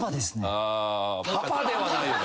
パパではないよね。